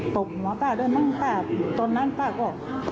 ตบหัวป้าด้วยมั้งป้าตอนนั้นป้าก็